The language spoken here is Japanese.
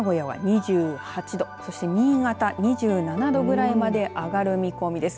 名古屋は２８度そして新潟２７度ぐらいまで上がる見込みです。